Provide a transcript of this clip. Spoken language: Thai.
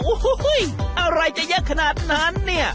โอ้โหอะไรจะเยอะขนาดนั้นเนี่ย